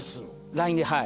ＬＩＮＥではい。